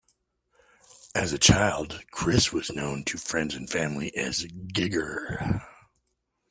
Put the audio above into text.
As a child, Chris was known to friends and family as "Gigger".